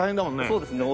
そうですね。